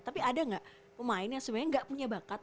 tapi ada gak pemain yang sebenarnya gak punya bakat